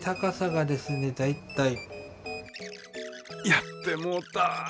やってもうた。